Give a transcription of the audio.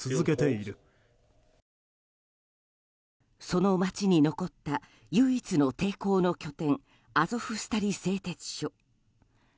その街に残った唯一の抵抗の拠点アゾフスタリ製鉄所。